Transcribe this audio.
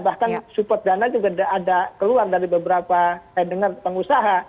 bahkan support dana juga ada keluar dari beberapa saya dengar pengusaha